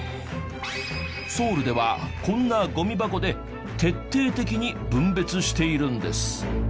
ソウルではこんなゴミ箱で徹底的に分別しているんです。